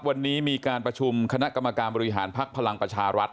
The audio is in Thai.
วันนี้มีการประชุมคณะกรรมการบริหารภักดิ์พลังประชารัฐ